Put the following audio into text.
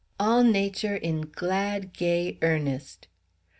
All nature in glad, gay earnest.